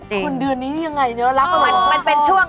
คนเดือนนี้ยังไงเนอะรักก็หลบซ่อน